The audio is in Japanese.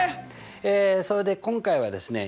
えそれで今回はですね